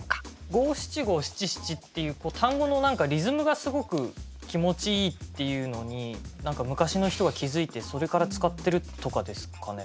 五七五七七っていう単語のリズムがすごく気持ちいいっていうのに何か昔の人が気付いてそれから使ってるとかですかね？